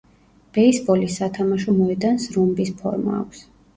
ბეისბოლის სათამაშო მოედანს რომბის ფორმა აქვს.